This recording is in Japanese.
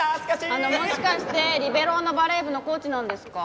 あのもしかしてリベロウのバレー部のコーチなんですか？